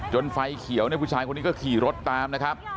ไฟเขียวเนี่ยผู้ชายคนนี้ก็ขี่รถตามนะครับ